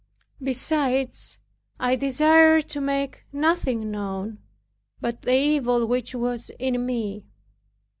Besides, I desired to make nothing known, but the evil which was in me.